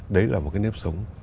đấy là một cái nếp sống